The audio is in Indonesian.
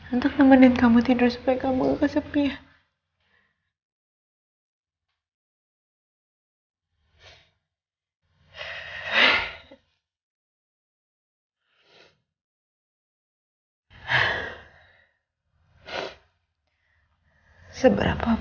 untuk nama nama kamu tidur supaya kamu gak kesepian